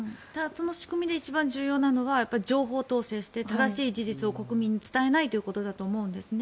その仕組みで一番重要なのは情報統制して正しい事実を国民に伝えないということだと思います。